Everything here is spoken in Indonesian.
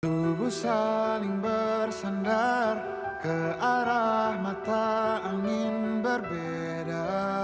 tubuh saling bersandar ke arah mata angin berbeda